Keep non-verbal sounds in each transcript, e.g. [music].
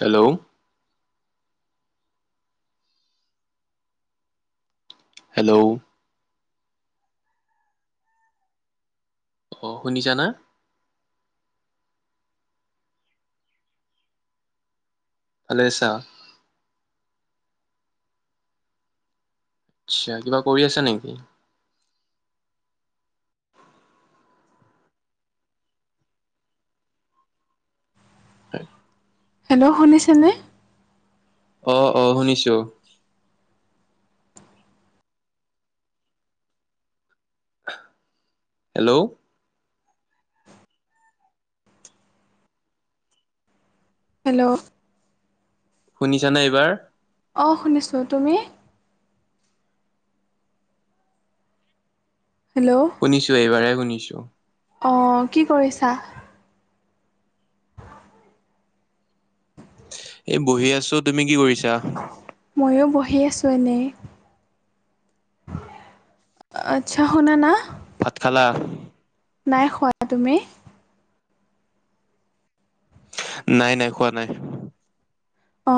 Hello, hello, অ, শুনিছা না? ভালে আছা? আচ্ছা কিবা কৰি আছে নেকি? [unintelligible] হেল্ল', শুনিছেনে? অ', অ', শুনিছোঁ। হেল্ল', হেল্ল', শুনিছানে এইবাৰ? অ, শুনিছোঁ তুমি? হেল্ল', শুনিছোঁ এইবাৰে শুনিছোঁ। অ, কি কৰিছা? এ বহি আছোঁ তুমি কি কৰিছা? ময়ো বহি আছোঁ এনে। আচ্ছা শুনা না? ভাত খালা? নাই খোৱা তুমি? নাই- নাই খোৱা নাই। অ,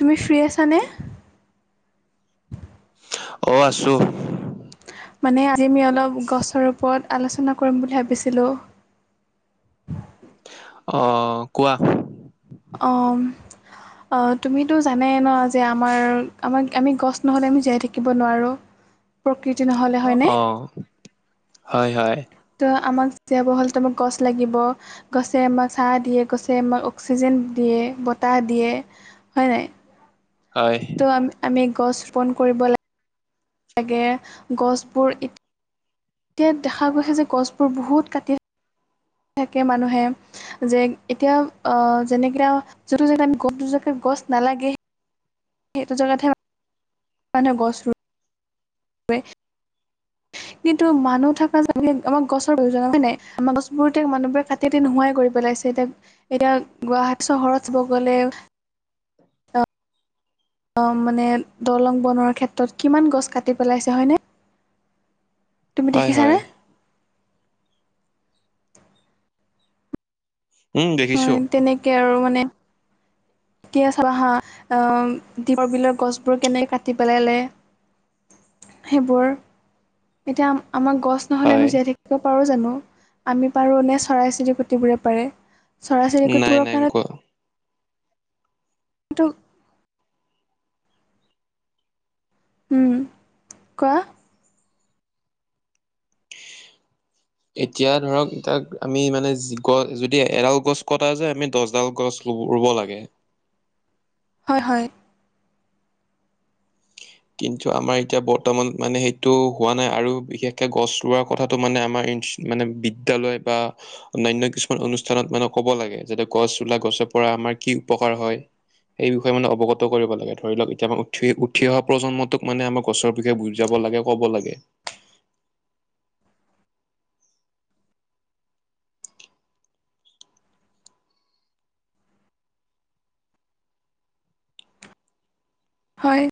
তুমি ফ্ৰী আছানে? অ, আছোঁ। মানে আজি আমি অলপ গছৰ ওপৰত আলোচনা কৰিম বুলি ভাবিছিলোঁ। অ, কোৱা? অ, উম। অ, তুমিতো জানাই ন' যে আমাৰ আমাক আমি গছ নহ'লে আমি জীয়াই থাকিব নোৱাৰোঁ। [inaudible] প্ৰকৃতি নহ'লে। হয়নে? অ, হয়-হয়। তো আমাক জীয়াব হ'লেতো [unintelligible] গছ লাগিব। গছে আমাক চা দিয়ে, গছে আমাক অক্সিজেন দিয়ে, বতাহ দিয়ে হয় নাই? হয়। ত' আম- আমি গছ-ৰোপন কৰিব লাগ লাগে গছবোৰ ইত এতিয়া দেখা গৈছে যে গছবোৰ বহুত কাটি [inaudible] থাকে মানুহে। যেং এতিয়া অ, যেনেকে অ, যোনটো জেগাত [unintelligible] গছ নালাগে। সেইটো জাগাতহে মানে গছ ৰুই ওৱে। [inaudible] কিন্তু মানুহ থকা আমাক গছৰ প্ৰয়োজন হয় নাই। আমাৰ গছবোৰ মানুহবোৰে কাটে হেতি নোহোৱাই কৰি পেলাইছে। এতিয়া এতিয়া গুৱাহাটী চহৰত চাব গলে অ মানে দলং বনোৱাৰ ক্ষেত্ৰত কিমান গছ কাটি পেলাইছে হয় নে। তুমি হয় দেখিছানে? হয় উম দেখিছোঁ। তাকে আৰু মানে। কি হে চালা হা। আহ, দীপৰ বিলৰ গছবোৰ কেনেকে কাটি পেলালে। সেইবোৰ এতিয়া আমাৰ গছ নহলে হয় আমি জীয়াই থাকিব পাৰো জানোঁ। আমি পাৰো নে চৰাই চিৰিকুটিবোৰে পাৰে। চৰাই নাই চিৰিকুতিবোৰৰ নাই কাৰণে কোৱা কিন্তু ওম। কোৱা এতিয়া ধৰক তাক আমি মানে যি গছ যদি এডাল গছ কটা যায়। আমি দহডাল গছ ৰুব লাগে। হয় হয়। কিন্তু আমাৰ এতিয়া বৰ্তমান মানে সেইটো হোৱা নাই আৰু বিশেষকে গছ ৰোৱাৰ কথাটো মানে আমাৰ ই মানে বিদ্যালয় বা অন্যায়ন্য কিছুমান অনুষ্ঠানত মানে কব লাগে। যাতে গছ ৰুলে গছৰ পৰা আমাৰ কি উপকাৰ হয়। এই বিষয়ে মানে অৱগত কৰিব লাগে। ধৰি লওক এটিয়া মানে উঠি উঠি লওক প্ৰজন্মতোক মানে আমাৰ গছৰ বিষয়ে বুজাব লাগে কব লাগে। হয়।